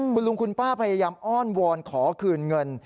คุณลุงคุณป้าพยายามอ้อนวอนขอคืนเงิน